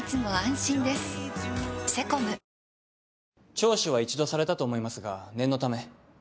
聴取は一度されたと思いますが念のため。